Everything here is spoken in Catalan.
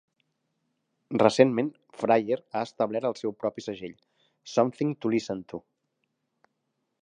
Recentment, Fryer ha establert el seu propi segell, Something To Listen To.